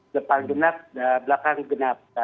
depan genap belakang genap